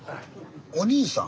お兄さん？